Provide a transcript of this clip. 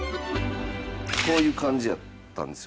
こういう感じやったんですよ。